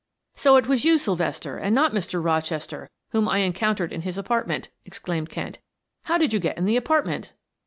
"So it was you, Sylvester, and not Mr. Rochester whom I encountered in his apartment," exclaimed Kent. "How did you get in the apartment?"